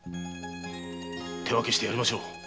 手分けしてやりましょう。